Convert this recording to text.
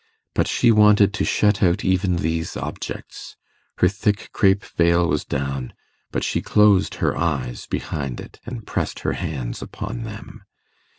But she wanted to shut out even these objects. Her thick crape veil was down; but she closed her eyes behind it, and pressed her hands upon them.